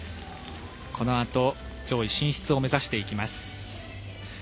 このあと、上位進出を目指していきます。